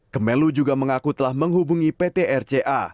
kemelu juga mengaku telah menghubungi pt rca